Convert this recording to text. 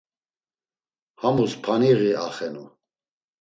Hamus paniği axenu.